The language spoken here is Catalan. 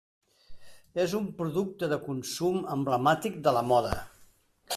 És un producte de consum emblemàtic de la moda.